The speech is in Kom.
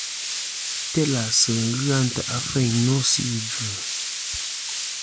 Telàsɨ ghɨ a ntè' afeyn nô sɨ idvɨ̀.